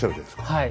はい。